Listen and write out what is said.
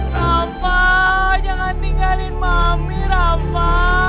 rafa jangan tinggalin mami rafa